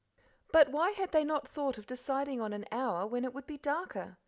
But why had they not thought of deciding on an hour when it would be darker?